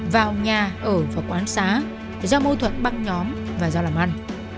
vào nhà ở và quán xá do mâu thuẫn băng nhóm và do làm ăn